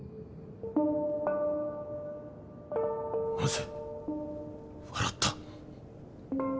なぜ笑った？